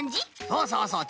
そうそうそう。